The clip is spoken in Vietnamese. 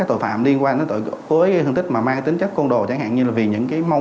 tội phạm liên quan đến tội cố ý gây thương tích mang tính chất côn đồ chẳng hạn như vì những mâu